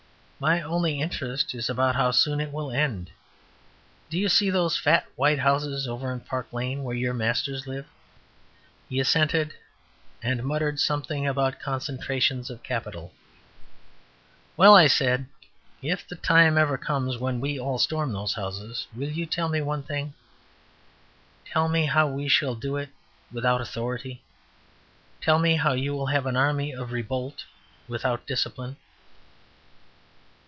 My only interest is about how soon it will end. Do you see those fat white houses over in Park lane, where your masters live?" He assented and muttered something about concentrations of capital. "Well," I said, "if the time ever comes when we all storm those houses, will you tell me one thing? Tell me how we shall do it without authority? Tell me how you will have an army of revolt without discipline?"